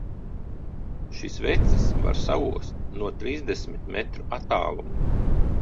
Šis vecis var saost no trīsdesmit metru attāluma!